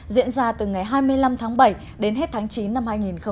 diễn ra từ ngày hai mươi năm tháng bảy đến hết tháng chín năm hai nghìn một mươi chín